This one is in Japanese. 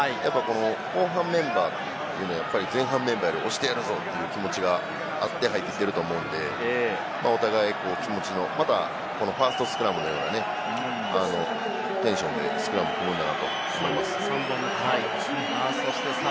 後半メンバー、前半メンバーより押してやるぞ！という気持ちがあって入ってきてると思うので、お互い気持ちの、またファーストスクラムのようなテンションでスクラムを組めたらと思います。